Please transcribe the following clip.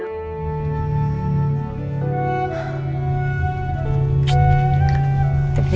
ya saya sudah berhenti